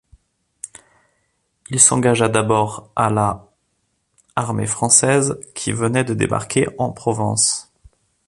Il s'engagea d'abord à la armée française qui venait de débarquer en Provence.